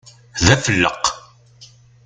D afelleq!